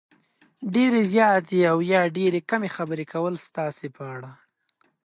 ډېرې زیاتې او یا ډېرې کمې خبرې کول ستاسې په اړه